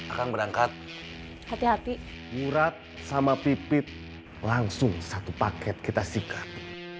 akan berangkat murat sama pipit langsung satu paket kita sikat